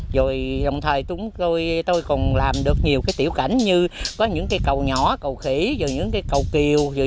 rồi đồng thời tôi còn làm được nhiều tiểu cảnh như có những cầu nhỏ cầu khỉ cầu kiều